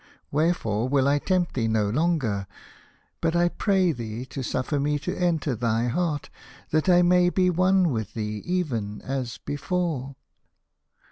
Wherefore will I tempt thee no longer, but I pray thee to suffer me to enter thy heart, that I may be one with thee even as before."